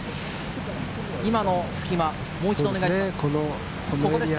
今の隙間、もう一度お願いします。